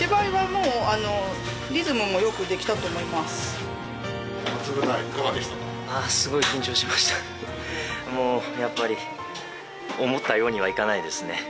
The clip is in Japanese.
もうやっぱり思ったようにはいかないですね。